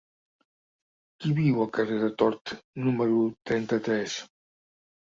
Qui viu al carrer de Tort número trenta-tres?